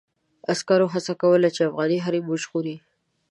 عسکرو هڅه کوله چې افغاني حريم وژغوري.